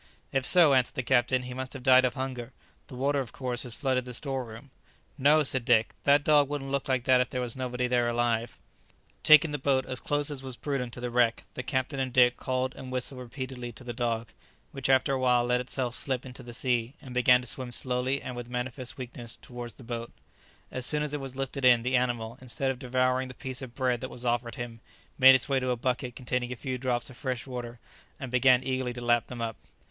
"If so," answered the captain, "he must have died of hunger; the water of course has flooded the store room." "No," said Dick; "that dog wouldn't look like that if there were nobody there alive." [Illustration: The dog began to swim slowly and with manifest weakness towards the boat.] Taking the boat as close as was prudent to the wreck, the captain and Dick called and whistled repeatedly to the dog, which after a while let itself slip into the sea, and began to swim slowly and with manifest weakness towards the boat. As soon as it was lifted in, the animal, instead of devouring the piece of bread that was offered him, made its way to a bucket containing a few drops of fresh water, and began eagerly to lap them up.